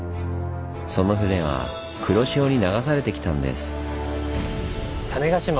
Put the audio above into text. その船は黒潮に流されてきたんです。